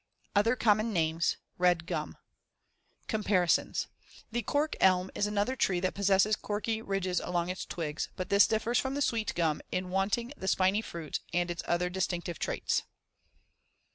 Other common names: Red gum. Comparisons: The cork elm is another tree that possesses corky ridges along its twigs, but this differs from the sweet gum in wanting the spiny fruit and its other distinctive traits.